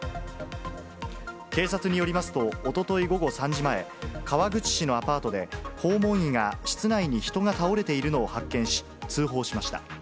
警察によりますと、おととい午後３時前、川口市のアパートで、訪問医が室内に人が倒れているのを発見し、通報しました。